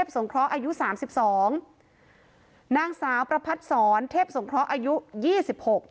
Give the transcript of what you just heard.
สามสิบสองนางสาวประพัดศรเทพศงเคราะห์อายุยี่สิบหก